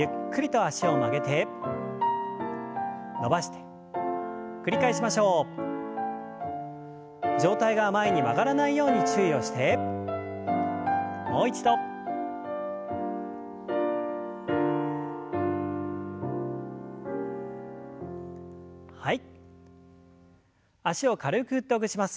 脚を軽く振ってほぐします。